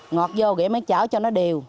ngọt vô thì em mới chở cho nó đều